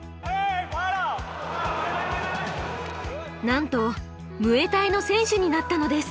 なんとムエタイの選手になったのです。